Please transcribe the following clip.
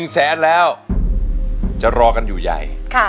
๑แสนแล้วจะรอกันอยู่ใหญ่